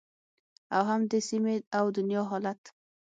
او هم د سیمې او دنیا حالت